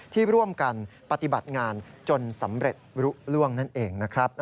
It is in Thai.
ที่ร่วมกันปฏิบัติงานจนสำเร็จลุกล่วงนั่นเองนะครับ